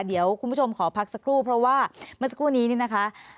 เดี๋ยวคุณผู้ชมขอพักสักครู่เพราะว่าเมื่อสักครู่นี้นี่นะคะ